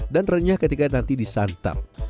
dan renyah ketika nanti disantap